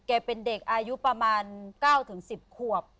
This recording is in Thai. เป็นเด็กอายุประมาณ๙๑๐ขวบ